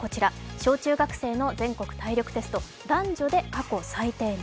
小中学生の全国体力テスト、男女で過去最低に。